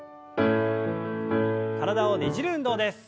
体をねじる運動です。